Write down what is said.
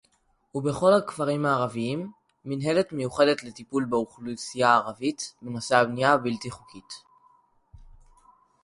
ובכל הכפרים הערביים; מינהלת מיוחדת לטיפול באוכלוסייה הערבית בנושא הבנייה הבלתי-חוקית